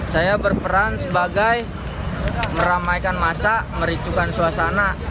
saya berperan sebagai meramaikan masa mericukan suasana